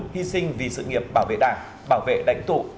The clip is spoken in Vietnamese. hy sinh vì sự nghiệp bảo vệ đảng bảo vệ lãnh tụ